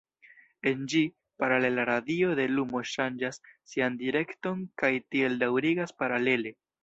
En ĝi, paralela radio de lumo ŝanĝas sian direkton kaj tiel daŭrigas paralele.